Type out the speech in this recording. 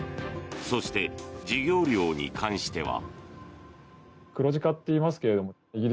そして、授業料に関しては。